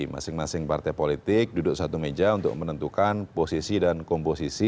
masing masing partai politik duduk satu meja untuk menentukan posisi dan komposisi